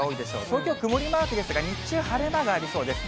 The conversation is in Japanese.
東京、曇りマークですが、日中、晴れ間がありそうです。